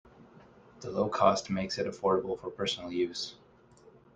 The low cost makes it affordable for personal use.